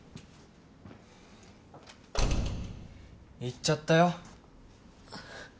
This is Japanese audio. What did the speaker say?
・行っちゃったよ。